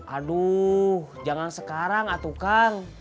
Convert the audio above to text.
aduh jangan sekarang atukang